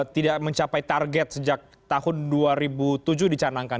tidak mencapai target sejak tahun dua ribu tujuh dicanangkan